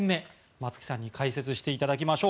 松木さんに解説していただきましょう。